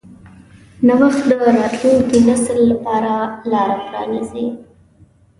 نوښت د راتلونکي نسل لپاره لاره پرانیځي.